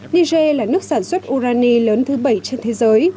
niger là nước sản xuất urani lớn thứ bảy trên thế giới